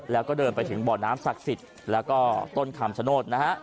แล้วก็เดินไปถึงบ่อน้ำศักดิ์สิทธิ์แล้วก็ต้นคำชโนธนะฮะ